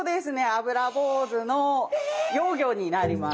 アブラボウズの幼魚になります。